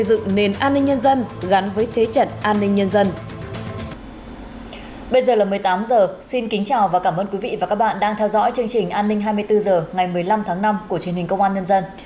bây giờ là một mươi tám h xin kính chào và cảm ơn quý vị và các bạn đang theo dõi chương trình an ninh hai mươi bốn h ngày một mươi năm tháng năm của truyền hình công an nhân dân